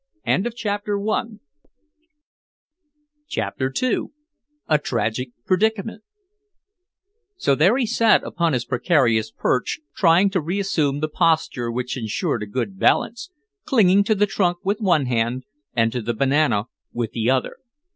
CHAPTER II A TRAGIC PREDICAMENT So there he sat upon his precarious perch trying to reassume the posture which insured a good balance, clinging to the trunk with one hand and to the banana with the other.